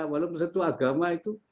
walau misalnya itu agama